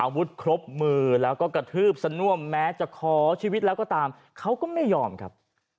อาวุธครบมือแล้วก็กระทืบสน่วมแม้จะขอชีวิตแล้วก็ตามเขาก็ไม่ยอมครับ